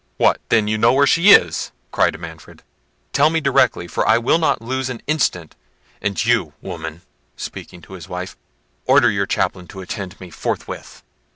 "What, then, you know where she is!" cried Manfred. "Tell me directly, for I will not lose an instant—and you, woman," speaking to his wife, "order your chaplain to attend me forthwith."